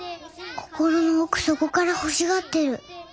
心の奥底から欲しがってる。